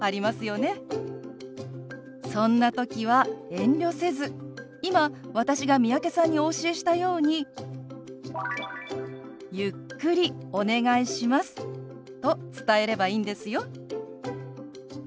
そんな時は遠慮せず今私が三宅さんにお教えしたように「ゆっくりお願いします」と伝えればいいんですよ。